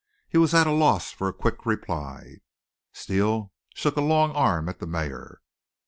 He was at a loss for a quick reply. Steele shook a long arm at the mayor.